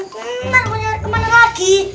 ntar mau nyari kemana lagi